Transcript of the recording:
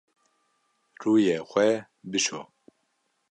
Rûyê xwe bişo.